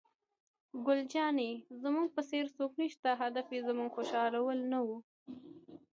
ګل جانې: زموږ په څېر څوک نشته، هدف یې زموږ خوشحالي نه وه.